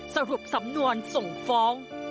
สรุปสำนวนส่งฟ้อง